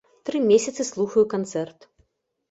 Тры месяцы слухаю канцэрт.